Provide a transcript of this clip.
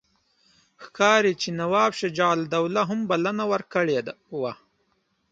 ښکاري چې نواب شجاع الدوله هم بلنه ورکړې وه.